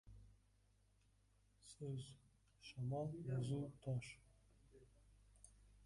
• So‘z — shamol, yozuv — tosh.